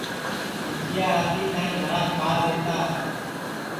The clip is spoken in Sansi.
نتھیا راتی تائی گھراس ٻار رہتا ہے